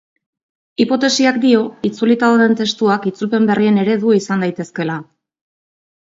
Hipotesiak dio, itzulita dauden testuak itzulpen berrien eredu izan daitezkeela.